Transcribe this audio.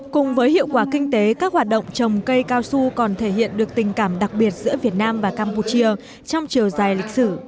cùng với hiệu quả kinh tế các hoạt động trồng cây cao su còn thể hiện được tình cảm đặc biệt giữa việt nam và campuchia trong chiều dài lịch sử